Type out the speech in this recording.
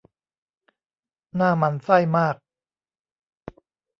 น่าหมั่นไส้มาก